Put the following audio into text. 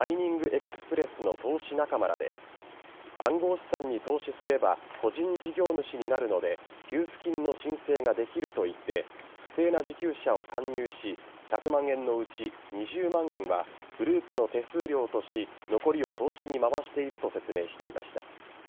エクスプレスの投資仲間らで暗号資産に投資すれば個人事業主になるので給付金の申請ができると言って不正な受給者を勧誘し１００万円のうち２０万円はグループの手数料とし残りを投資に回していると説明していました。